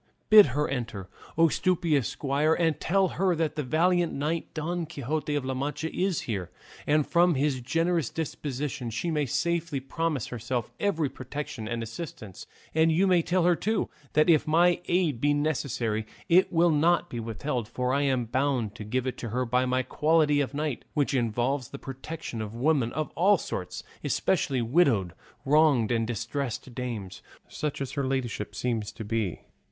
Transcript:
Bid her enter, O stupendous squire, and tell her that the valiant knight Don Quixote of La Mancha is here, and from his generous disposition she may safely promise herself every protection and assistance; and you may tell her, too, that if my aid be necessary it will not be withheld, for I am bound to give it to her by my quality of knight, which involves the protection of women of all sorts, especially widowed, wronged, and distressed dames, such as her ladyship seems to be."